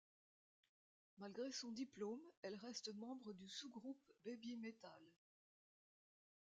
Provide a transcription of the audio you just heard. Malgré son diplôme, elle reste membre du sous-groupe Babymetal.